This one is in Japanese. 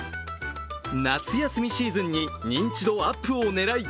夏休みシーズンに認知度アップを狙い